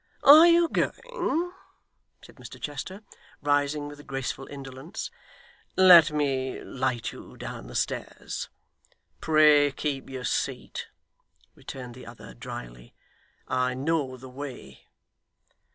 'Are you going?' said Mr Chester, rising with a graceful indolence. 'Let me light you down the stairs.' 'Pray keep your seat,' returned the other drily, 'I know the way.